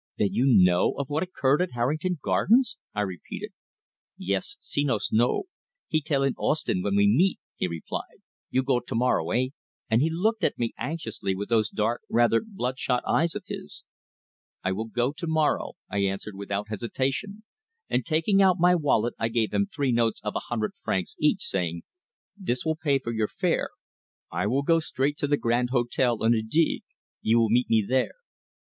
"Then you know, of what occurred at Harrington Gardens?" I repeated. "Yes, Senos know. He tell in Ostend when we meet," he replied. "You go to morrow, eh?" and he looked at me anxiously with those dark, rather blood shot eyes of his. "I will go to morrow," I answered without hesitation; and, taking out my wallet I gave him three notes of a hundred francs each, saying: "This will pay your fare. I will go straight to the Grand Hotel, on the Digue. You will meet me there."